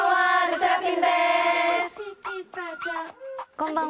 こんばんは。